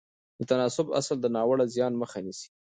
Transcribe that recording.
د تناسب اصل د ناوړه زیان مخه نیسي.